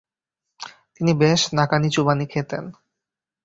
তিনি বেশ নাকানি-চুবানি খেতেন।